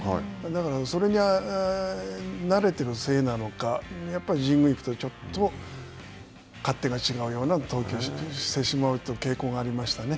だから、それになれてるせいなのかやっぱり神宮に行くとちょっと勝手が違うような投球をしてしまうという傾向がありましたね。